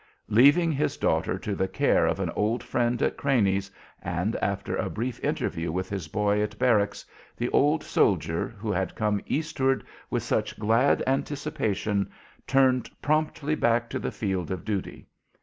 Leaving his daughter to the care of an old friend at Craney's, and after a brief interview with his boy at barracks, the old soldier who had come eastward with such glad anticipation turned promptly back to the field of duty.